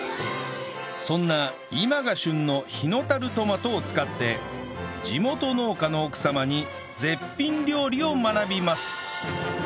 そんな今が旬の日野樽トマトを使って地元農家の奥様に絶品料理を学びます